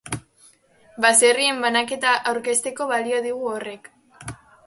Baserrien banaketa aurkezteko balio digu horrek.